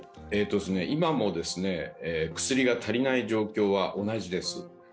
今も薬が足りない状況は同じです。